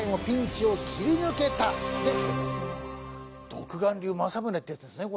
独眼竜政宗ってやつですね。